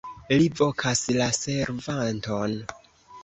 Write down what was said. Li vokas la servanton.